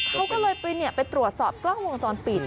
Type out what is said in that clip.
เขาก็เลยไปตรวจสอบกล้องวงจรปิด